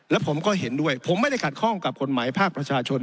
และผมก็เห็นด้วยผมไม่ได้ขัดข้องกับกฎหมายภาคประชาชน